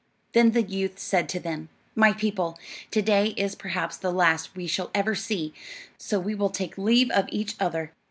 Then the youth said to them: "My people, to day is perhaps the last we shall ever see; so we will take leave of each other.